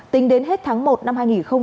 tính đến hết tháng một năm hai nghìn hai mươi